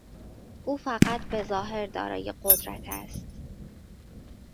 او فقط به ظاهر دارای قدرت است.